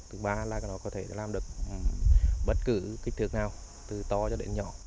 thứ ba là nó có thể làm được bất cứ kích thước nào từ to cho đến nhỏ